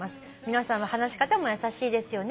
「皆さんの話し方も優しいですよね」